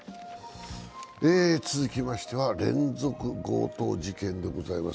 続きましては連続強盗事件でございます。